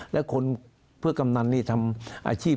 และคนเพื่อกำนันนี่ทำอาชีพ